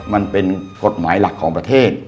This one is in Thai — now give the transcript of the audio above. มันเป็นกฎหมายหลักของประเทศ